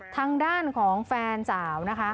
ทางด้านของแฟนสาวนะคะ